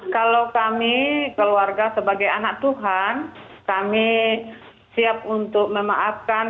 kalau kami keluarga sebagai anak tuhan kami siap untuk memaafkan